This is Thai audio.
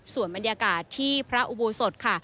ส่วนบรรยากาศที่พระอุโบสถค่ะ